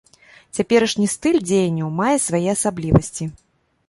Цяперашні стыль дзеянняў мае свае асаблівасці.